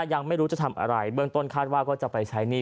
ยังไม่รู้จะทำอะไรเบื้องต้นคาดว่าก็จะไปใช้หนี้